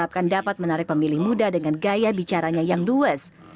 dan juga sebuah peran yang menarik pemilih muda dengan gaya bicaranya yang duus